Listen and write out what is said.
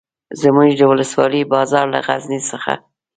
زموږ د ولسوالۍ بازار له غزني څخه.